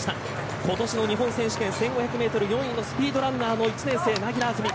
今年の日本選手権１５００メートル４位のスピードランナー１年生、柳樂あずみ。